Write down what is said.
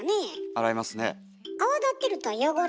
洗いますね。